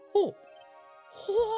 ほう。